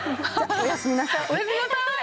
おやすみなさい！